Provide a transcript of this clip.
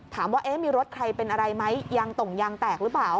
ถามว่ามีรถใครเป็นอะไรไหมยางต่งยางแตกหรือเปล่า